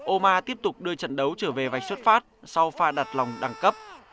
oma tiếp tục đưa trận đấu trở về vạch xuất phát sau pha đặt lòng đẳng cấp